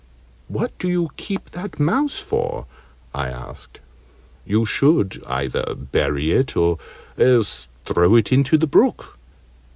"What do you keep that mouse for?" I said. "You should either bury it, or else throw it into the brook."